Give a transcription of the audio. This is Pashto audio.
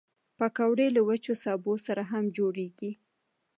پکورې له وچو سبو سره هم جوړېږي